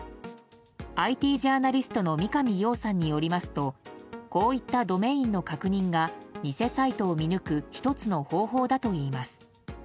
ＩＴジャーナリストの三上洋さんによりますとこういったドメインの確認が偽サイトを見抜く１つの方法だといいます。